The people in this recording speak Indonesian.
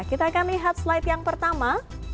kita akan lihat slide yang pertama